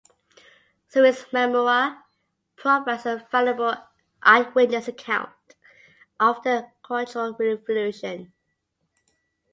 Sirin's memoir provides a valuable eyewitness account of the Cultural Revolution.